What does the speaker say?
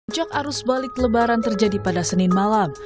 jok arus balik lebaran terjadi pada senin malam